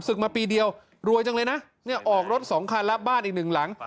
สึกมาปีเดียวรวยจังเลยนะนี่ออกรถ๒คันแล้วบ้านอีกหนึ่งหลัง